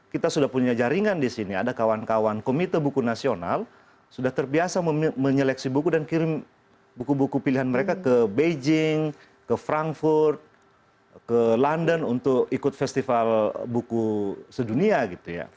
kita sudah punya jaringan di sini ada kawan kawan komite buku nasional sudah terbiasa menyeleksi buku dan kirim buku buku pilihan mereka ke beijing ke frankfurt ke london untuk ikut festival buku sedunia gitu ya